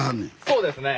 そうですね。